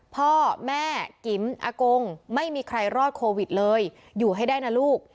พ่อแม่กิ๋มอากงไม่มีใครรอดโควิดเลยอยู่ให้ได้นะลูก